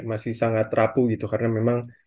masih sangat rapuh gitu karena memang